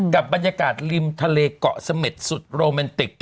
กับบรรยากาศริมทะเลเกาะเสม็ดสุดโรแมนติก